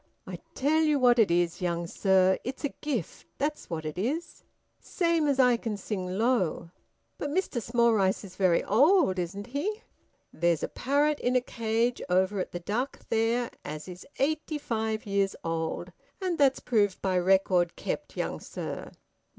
"I tell you what it is, young sir. It's a gift, that's what it is, same as I can sing low." "But Mr Smallrice is very old, isn't he?" "There's a parrot in a cage over at the Duck, there, as is eighty five years old, and that's proved by record kept, young sir."